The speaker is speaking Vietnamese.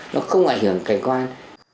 nó không ảnh hưởng cảnh quan